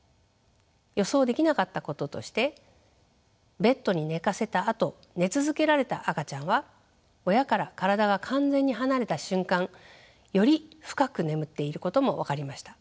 予想できなかったこととしてベッドに寝かせたあと寝続けられた赤ちゃんは親から体が完全に離れた瞬間より深く眠っていることも分かりました。